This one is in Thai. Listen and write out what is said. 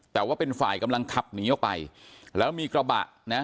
แต่ว่าเป็นฝ่ายกำลังขับหนีออกไปแล้วมีกระบะนะฮะ